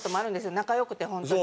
仲良くて本当に。